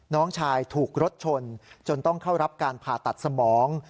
น้องชายถูกรถชนจนต้องเข้ารับการผ่าตัดสมอง